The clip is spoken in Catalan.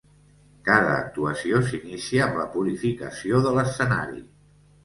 Cada actuació s'inicia amb la purificació de l'escenari.